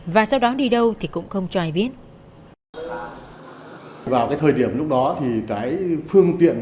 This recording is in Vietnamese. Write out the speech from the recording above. và sau đó đi đâu thì cũng không cho ai biết